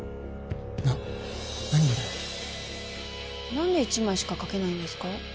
何で１枚しか賭けないんですか？